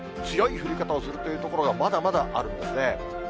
強い降り方をするという所がまだまだあるんですね。